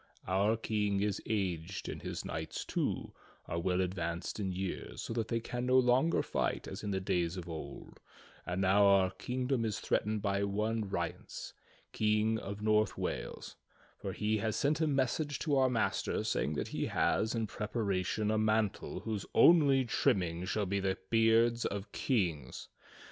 Our King is aged and his knights, too, are well advanced in years, so that they can no longer fight as in the days of old; and now our king dom is threatened by one Rience, King of North Wales, for he has sent a message to our master saying that he has in preparation a mantle whose only trimming shall be the beards of kings.